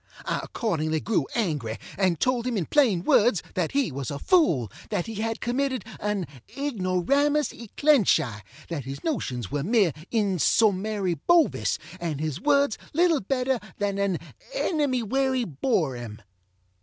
I accordingly grew angry, and told him in plain words, that he was a fool, that he had committed an ignoramus e clench eye, that his notions were mere insommary Bovis, and his words little better than an ennemywerryborŌĆÖem.